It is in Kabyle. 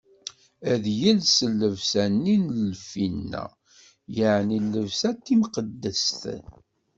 Ad yels llebsa-nni n lfina, yeɛni llebsa timqeddest.